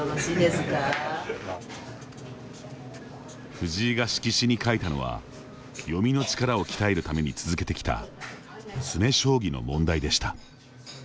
藤井が色紙に書いたのは読みの力を鍛えるために続けてきた詰め将棋の問題でした。